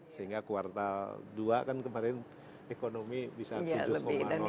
sehingga kuartal dua kan kemarin ekonomi bisa tujuh